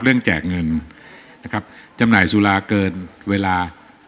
แจกเงินนะครับจำหน่ายสุราเกินเวลา